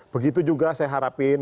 begitu juga saya harapin